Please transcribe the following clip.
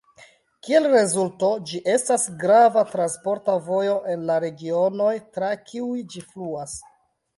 Kiel rezulto, ĝi estas grava transporta vojo en la regionoj tra kiuj ĝi fluas.